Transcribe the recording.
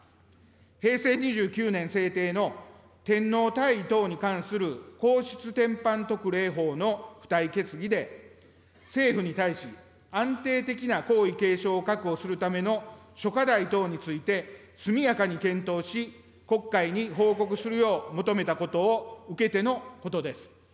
平成２９年制定の天皇退位等に関する皇室典範特例法の付帯決議で、政府に対し、安定的な皇位継承を確保するための諸課題等について、速やかに検討し、国会に報告するよう求めたことを受けてのことです。